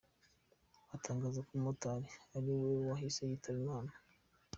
Batangaza ko umumotari ari we wahise yitaba Imana.